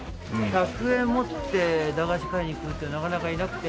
１００円持って駄菓子買いに来るってなかなかいなくて。